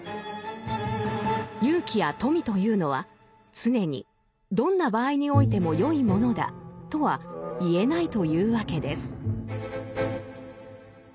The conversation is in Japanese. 勇気や富というのは常にどんな場合においても善いものだとは言えないというわけです。